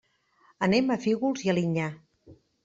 Anem a Fígols i Alinyà.